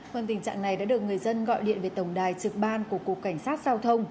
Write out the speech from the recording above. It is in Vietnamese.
còn tình trạng này đã được người dân gọi điện về tổng đài trực ban của cục cảnh sát giao thông